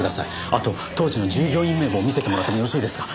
あと当時の従業員名簿を見せてもらってもよろしいですか？